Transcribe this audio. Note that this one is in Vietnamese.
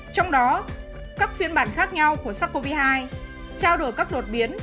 trong đó các phiên bản khác nhau của sars cov hai trao đổi các đột biến